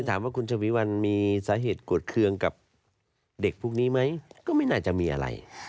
ถามว่าคุณชวีวันมีสาเหตุกวดเคืองกับเด็กพวกนี้ไหมก็ไม่น่าจะมีอะไร